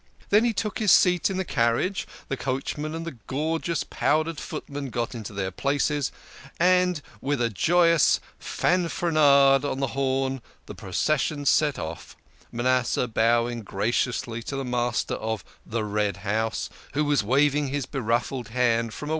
Then he took his seat in the carriage, the coachman and the gorgeous powdered footman got into their places, and with a joyous fanfaron ade on the horn, the procession set off, Manasseh bowing graciously to the mas ter of "The Red House," who was wav ing his beruffled hand from a